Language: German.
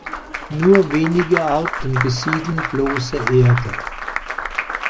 Nur wenige Arten besiedeln bloße Erde.